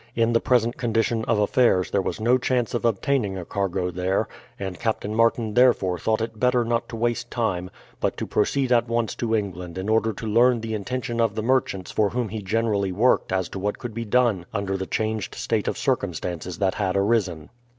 In the present condition of affairs there was no chance of obtaining a cargo there, and Captain Martin therefore thought it better not to waste time, but to proceed at once to England in order to learn the intention of the merchants for whom he generally worked as to what could be done under the changed state of circumstances that had arisen.